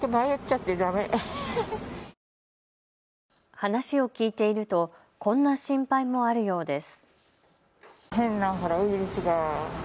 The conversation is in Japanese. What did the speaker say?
話を聞いていると、こんな心配もあるようです。